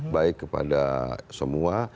baik kepada semua